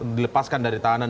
dilepaskan dari tahanan